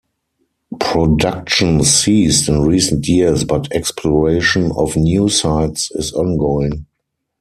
Production ceased in recent years but exploration of new sites is ongoing.